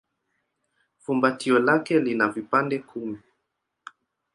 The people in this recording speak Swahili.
Fumbatio lake lina vipande kumi.